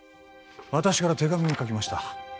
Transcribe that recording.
私から手紙も書きました